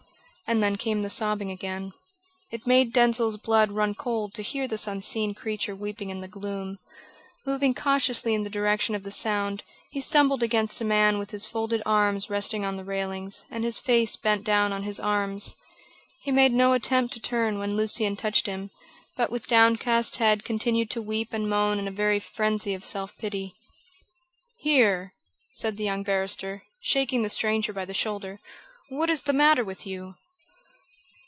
And then came the sobbing again. It made Denzil's blood run cold to hear this unseen creature weeping in the gloom. Moving cautiously in the direction of the sound, he stumbled against a man with his folded arms resting on the railings, and his face bent down on his arms. He made no attempt to turn when Lucian touched him, but with downcast head continued to weep and moan in a very frenzy of self pity. "Here!" said the young barrister, shaking the stranger by the shoulder, "what is the matter with you?"